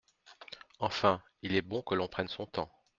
Enfin, il est bon que l’on prenne son temps.